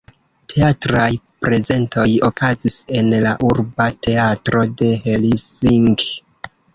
Teatraj prezentoj okazis en la urba teatro de Helsinki.